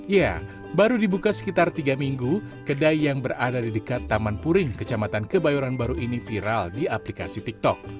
ya baru dibuka sekitar tiga minggu kedai yang berada di dekat taman puring kecamatan kebayoran baru ini viral di aplikasi tiktok